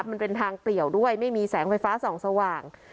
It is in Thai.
มันเป็นทางเปลี่ยวด้วยไม่มีแสงไฟฟ้าส่องสว่าง